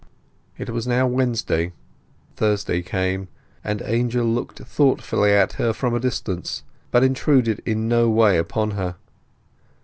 It was now Wednesday. Thursday came, and Angel looked thoughtfully at her from a distance, but intruded in no way upon her.